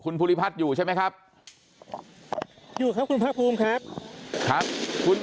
คุณภูริพัฒน์บุญนินคุณภูริพัฒน์บุญนิน